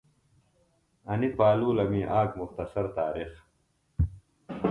انی پالولمی آک مختصر تارِخ